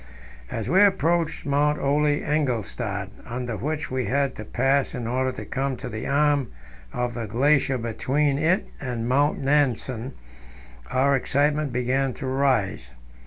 As we approached Mount Ole Engelstad, under which we had to pass in order to come into the arm of the glacier between it and Mount Nansen, our excitement began to rise.